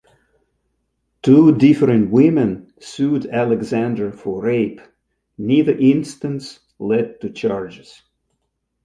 Two different women sued Alexander for rape, neither instance led to charges.